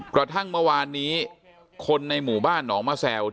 กระทั่งเมื่อวานนี้คนในหมู่บ้านหนองมะแซว